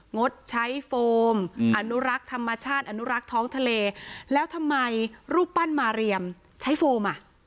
งดใช้โฟมอนุรักษ์ธรรมชาติอนุรักษ์ท้องทะเลแล้วทำไมรูปปั้นมาเรียมใช้โฟมอ่ะ